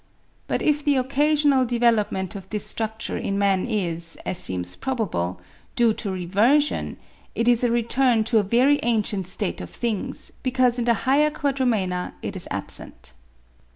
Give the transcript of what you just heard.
But if the occasional development of this structure in man is, as seems probable, due to reversion, it is a return to a very ancient state of things, because in the higher Quadrumana it is absent.